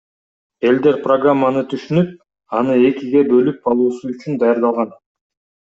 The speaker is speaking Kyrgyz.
Элдер программаны түшүнүп, аны экиге бөлүп алуусу үчүн даярдалган.